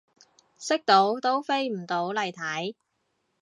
識到都飛唔到嚟睇